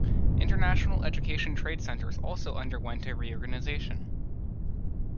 International education trade centers also underwent a reorganization.